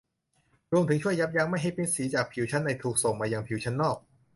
รวมถึงช่วยยับยั้งไม่ให้เม็ดสีจากผิวชั้นในถูกส่งมายังผิวชั้นนอก